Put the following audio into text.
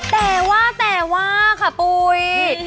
แต่ว่าค่ะปุ๋ย